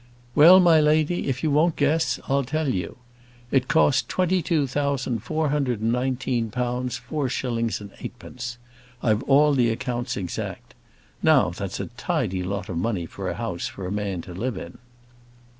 "Well, my lady, if you won't guess, I'll tell you. It cost twenty two thousand four hundred and nineteen pounds four shillings and eightpence. I've all the accounts exact. Now, that's a tidy lot of money for a house for a man to live in."